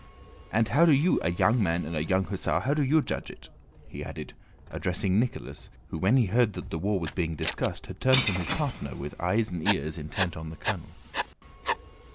And how do you, a young man and a young hussar, how do you judge of it?" he added, addressing Nicholas, who when he heard that the war was being discussed had turned from his partner with eyes and ears intent on the colonel.